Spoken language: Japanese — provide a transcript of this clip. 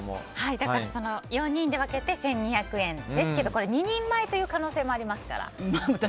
だから４人で分けて１２００円ですけど２人前という可能性もありますから。